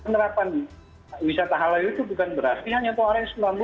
penerapan wisata halal itu bukan berarti hanya untuk orang islam